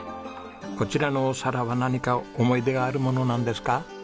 こちらのお皿は何か思い出があるものなんですか？